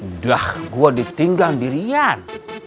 hedah gue ditinggal dirian